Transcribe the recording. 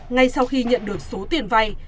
ngay sau khi nhận được số tiền vay